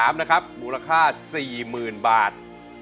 มูลค่า๔๐๐๐๐บาท